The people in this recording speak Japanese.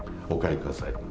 お帰りください。